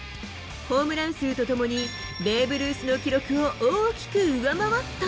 ホームラン数とともに、ベーブ・ルースの記録を大きく上回った。